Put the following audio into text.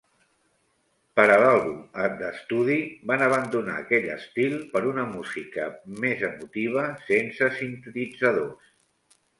Per a l"àlbum d"estudi, van abandonar aquell estil per una música "més emotiva", sense sintetitzadors.